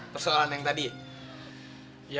tersalahan yang tadi ya